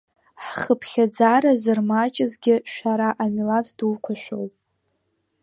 Ҳхыԥхьаӡара зырмаҷызгьы шәара амилаҭ дуқәа шәоуп.